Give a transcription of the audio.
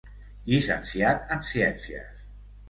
Llicenciat en Ciències.